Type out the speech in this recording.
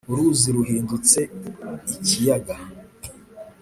uruzi ruhindutse icyiyaga